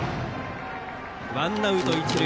ワンアウト一塁。